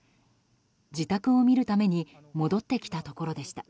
自宅を見るために戻ってきたところでした。